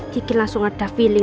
gigi sudah selesai